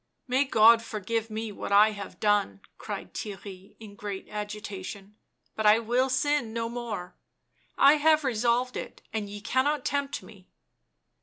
" May God forgive me what I have done," cried Theirry in great agitation ;" but I will sin no more — I have resolved it — and ye cannot tempt me."